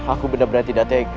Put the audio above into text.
aku benar benar tidak tega